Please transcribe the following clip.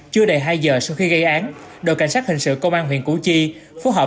chưa đầy hai giờ sau khi gây án đội cảnh sát hình sự công an huyện củ chi phối hợp